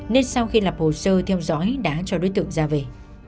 nên sau khi lập hồ sơ theo dõi đã cho đối tượng ra về